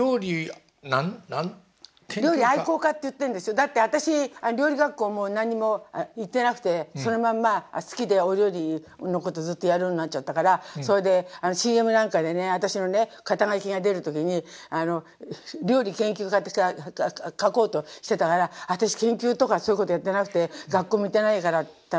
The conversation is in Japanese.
だって私料理学校も何にも行ってなくてそのまんま好きでお料理のことをずっとやるようになっちゃったからそれでＣＭなんかでね私のね肩書が出る時に料理研究家って書こうとしてたから私研究とかそういうことやってなくて学校も行ってないからって言ったの。